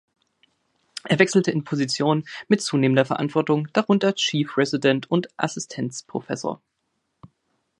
Er wechselte in Positionen mit zunehmender Verantwortung, darunter Chief Resident und Assistenzprofessor.